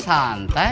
ibu aku mau beli